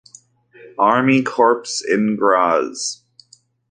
Army Corps in Graz.